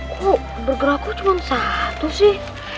kok burger aku cuma satu sih